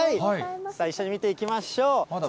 一緒に見ていきましょう。